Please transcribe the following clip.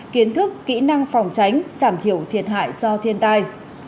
kiến thức kỹ năng phòng tránh giảm thiểu thiệt hại do thiên tai